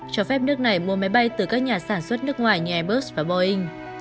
cho phép nước này mua máy bay từ các nhà sản xuất nước ngoài như airbus và boeing